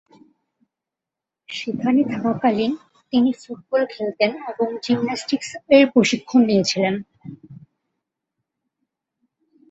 সেখানে থাকাকালীন তিনি ফুটবল খেলতেন এবং জিমন্যাস্টিকস এর প্রশিক্ষণ নিয়েছিেলন।